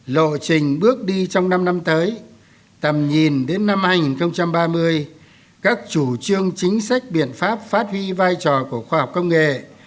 lộ trình bước đi trong năm năm tới tầm nhìn đến năm hai nghìn ba mươi các chủ trương chính sách biện pháp phát huy vai trò của khoa học công nghệ